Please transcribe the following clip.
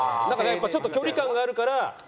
やっぱちょっと距離感があるから。